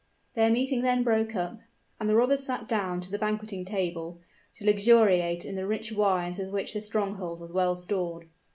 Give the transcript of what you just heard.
Their meeting then broke up; and the robbers sat down to the banqueting table, to luxuriate in the rich wines with which the stronghold was well stored.